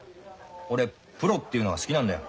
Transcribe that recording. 俺プロっていうのが好きなんだよ